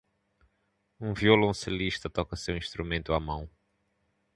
Um violoncelista toca seu instrumento à mão.